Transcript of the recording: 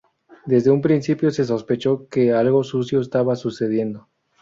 Desde un principio se sospechó que algo sucio estaba sucediendo.